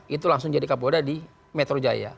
itu langsung jadi kapolda di metro jaya